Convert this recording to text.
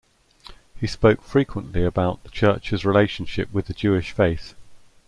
He spoke frequently about the Church's relationship with the Jewish faith.